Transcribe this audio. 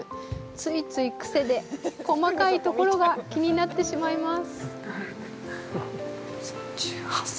ついつい、癖で細かいところが気になってしまいます。